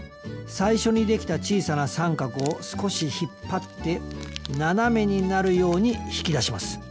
最初にできた小さな三角を少し引っ張って斜めになるように引き出します